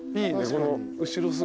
この後ろ姿。